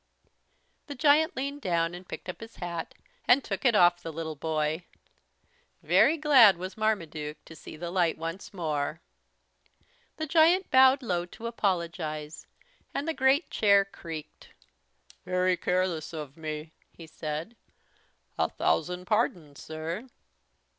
The giant leaned down and picked up his hat, and took it off the little boy. Very glad was Marmaduke to see the light once more. The giant bowed low to apologize and the great chair creaked. "Very careless of me," he said. "A thousand pardons, Sir!"